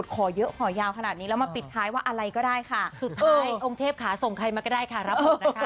คิวยาว